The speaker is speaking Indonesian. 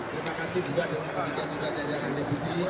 terima kasih juga kepada juga jajaran dpd